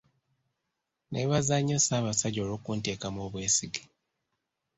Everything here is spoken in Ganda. Nneebaza nnyo Ssaabasajja olw'okunteekamu obwesige.